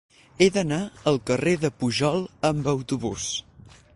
He d'anar al carrer de Pujol amb autobús.